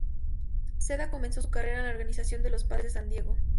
Ceda comenzó su carrera en la organización de los Padres de San Diego.